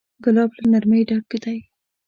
ګلاب له نرمۍ ډک دی.